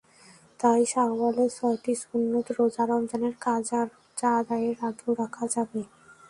তাই শাওয়ালের ছয়টি সুন্নত রোজা রমজানের কাজা রোজা আদায়ের আগেও রাখা যাবে।